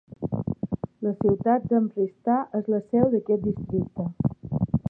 La ciutat d'Amritsar és la seu d'aquest districte.